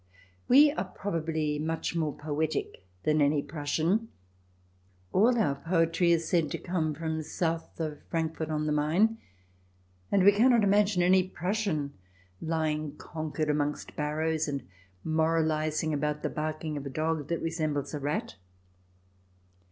We are probably much more poetic than any Prussian. All our poetry is said to come from south of Frankfort on the Main, and we cannot imagine any Prussian lying conquered amongst barrows, and moralizing about the barking of a dog that re sembles a rat.